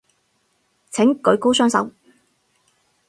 請舉高雙手